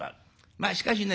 まあしかしね